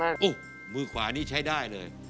โอ้โหมือขวานี่ใช้ได้เลย